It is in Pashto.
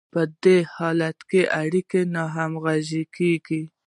په دې حالت کې اړیکې ناهمغږې کیږي.